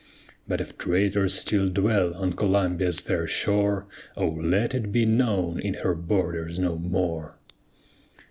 Chorus But if traitors still dwell on Columbia's fair shore, O let it be known in her borders no more.